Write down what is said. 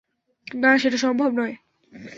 না, সেটা সম্ভবও নয়!